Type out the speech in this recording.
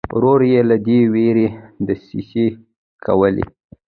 ورور یې له دې وېرې دسیسې کولې.